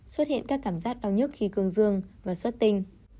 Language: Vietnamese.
xuất hiện các cảm giác đau nhức khi cương dương và xuất tinh